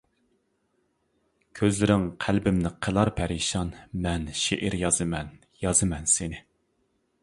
كۆزلىرىڭ قەلبىمنى قىلار پەرىشان، مەن شېئىر يازىمەن، يازىمەن سېنى!